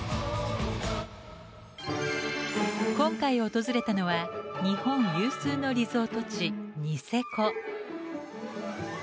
今回訪れたのは日本有数のリゾート地ニセコ。